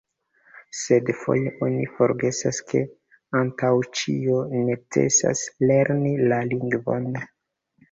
Sed foje oni forgesas, ke antaŭ ĉio necesas lerni la lingvon.